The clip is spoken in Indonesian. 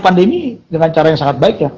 pandemi dengan cara yang sangat baik ya